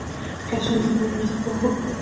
لاسونه ته باید ارزښت ورکړو